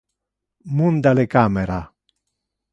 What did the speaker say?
Munda le camera!